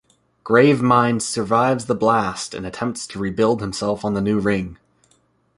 Gravemind survives the blast and attempts to rebuild himself on the new ring.